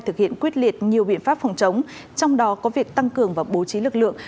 thực hiện quyết liệt nhiều biện pháp phòng chống trong đó có việc tăng cường và bố trí lực lượng